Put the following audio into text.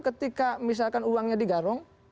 ketika misalkan uangnya digarong